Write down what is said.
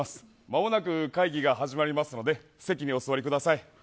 まもなく会議が始まりますので席にお座りください。